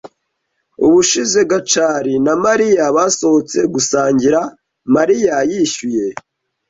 Ubushize Gacari na Mariya basohotse gusangira, Mariya yishyuye.